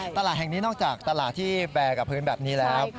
ตลาดแห่งนี้นอกจากตลาดที่แบร์กับพื้นแบบนี้แล้ว